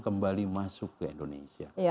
kembali masuk ke indonesia